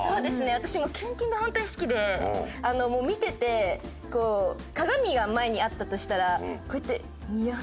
私もうキュンキュンが本当に好きで見ててこう鏡が前にあったとしたらこうやってニヤッ！